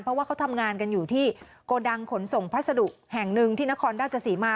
เพราะว่าเขาทำงานกันอยู่ที่โกดังขนส่งพัสดุแห่งหนึ่งที่นครราชสีมา